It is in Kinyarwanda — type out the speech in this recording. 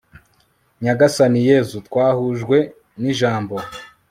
nyagasani yezu, twahujwe n'ijambo